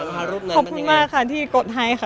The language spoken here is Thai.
ขอบคุณมากค่ะที่กดให้ค่ะ